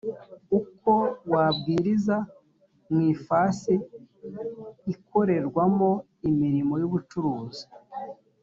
uko wabwiriza mu ifasi ikorerwamo imirimo y’ubucuruzi